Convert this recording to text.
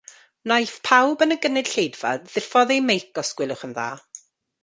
Wnaiff pawb yn y gynulleidfa ddiffodd eu meic os gwelwch yn dda.